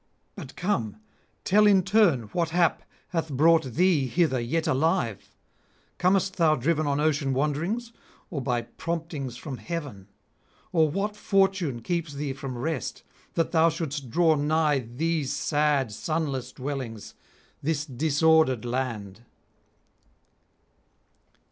But come, tell in turn what hap hath brought thee hither yet alive. Comest thou driven on ocean wanderings, or by promptings from heaven? or what fortune keeps thee from rest, that thou shouldst draw nigh these sad sunless dwellings, this disordered land?'